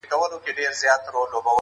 درواغجن بايد پوه سي، چي درواغ وايي.